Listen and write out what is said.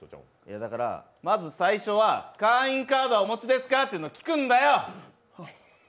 だから、まず最初は会員カードお持ちですかを聞くんだよ！